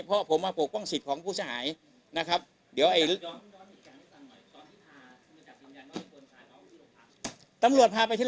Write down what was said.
เพราะผมเรามาปกป้องสิทธิ์ของผู้ส่าหาย